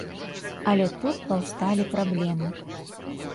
Але тут паўсталі праблемы.